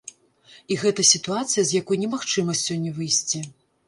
І гэта сітуацыя, з якой немагчыма сёння выйсці.